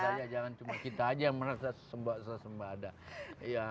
tentu saja jangan cuma kita saja yang merasa suasembada